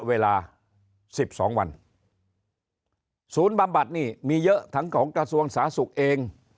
เวลาสิบสองวันศูนย์บำบัดนี่มีเยอะทั้งของกระทรวงสาธารณสุขเอง